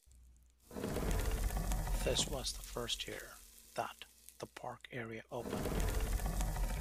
This was the first year that "The Park" area opened.